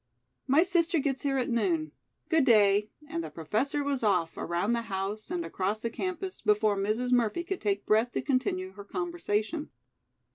"My sister gets here at noon. Good day," and the Professor was off, around the house, and across the campus, before Mrs. Murphy could take breath to continue her conversation.